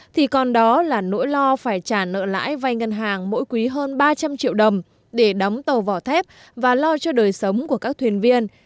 thì còn đó là nỗi lo phải trả nợ lãi vai ngân hàng mỗi quý hơn ba trăm linh triệu đồng để đóng tàu vỏ thép và lo cho đời sống của các thuyền viên